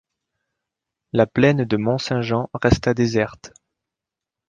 la plaine de Mont-Saint-Jean resta déserte.